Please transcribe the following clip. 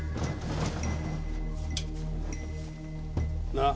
なあ。